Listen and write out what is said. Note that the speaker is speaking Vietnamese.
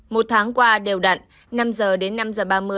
một tháng qua đều đặn năm giờ đến năm giờ ba mươi